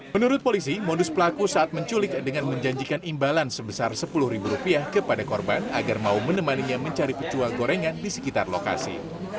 menurut polisi modus pelaku saat menculik dengan menjanjikan imbalan sebesar sepuluh ribu rupiah kepada korban agar mau menemaninya mencari pecua gorengan di sekitar lokasi